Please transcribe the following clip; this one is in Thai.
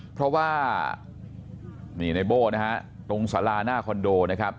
เพราะว่านี่ในโบ้นะฮะตรงสาราหน้าคอนโดนะครับ